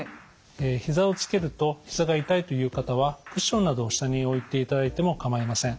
ひざをつけるとひざが痛いという方はクッションなどを下に置いていただいてもかまいません。